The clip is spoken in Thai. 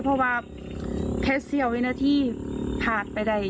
เพราะว่าแค่เสี้ยววินาทีผ่านไปได้